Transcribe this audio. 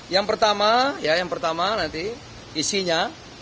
yang pertama ya yang pertama nanti isinya